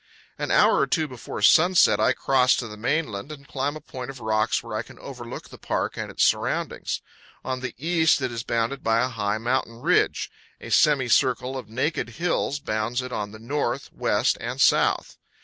An hour or two before sunset I cross to the mainland and climb a point of rocks where I can overlook the park and its surroundings. On the east it is bounded by a high mountain ridge. A semicircle of naked hills bounds it on the north, west, and south.